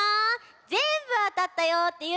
ぜんぶあたったよっていう